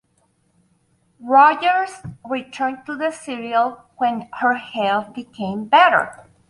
Rogers returned to the serial when her health became better.